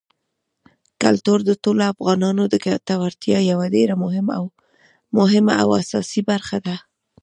کلتور د ټولو افغانانو د ګټورتیا یوه ډېره مهمه او اساسي برخه ده.